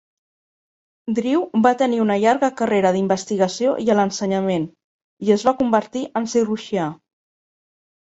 Drew va tenir una llarga carrera d'investigació i a l'ensenyament, i es va convertir en cirurgià.